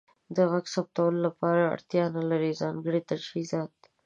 د غږ ثبتولو لپاره اړتیا نلرئ ځانګړې تجهیزات.